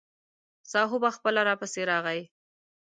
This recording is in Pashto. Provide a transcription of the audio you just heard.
ساهو به خپله راپسې راغی.